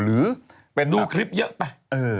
อื้ออะไรประมาณแบบนี้